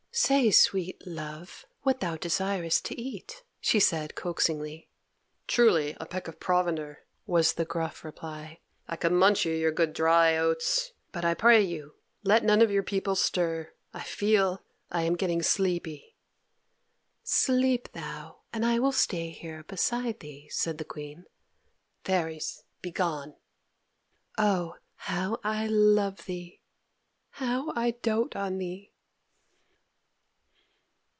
"Say, sweet love, what thou desirest to eat," she said coaxingly. "Truly, a peck of provender," was the gruff reply. "I could munch you your good dry oats. But, I pray you, let none of your people stir. I feel I am getting sleepy." "Sleep thou, and I will stay here beside thee," said the Queen. "Fairies, begone! Oh, how I love thee! how I doat on thee!"